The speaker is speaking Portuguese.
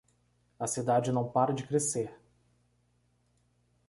A cidade não para de crescer